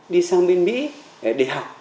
đi sang bên mỹ để học